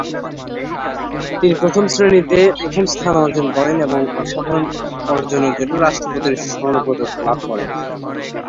তিনি প্রথম শ্রেণিতে প্রথম স্থান অর্জন করেন এবং অসাধারণ অর্জনের জন্য রাষ্ট্রপতির স্বর্ণ পদক লাভ করেন।